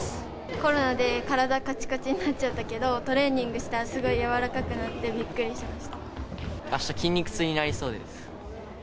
コロナで体かちかちになっちゃったけど、トレーニングしたらすごあした筋肉痛になりそうです。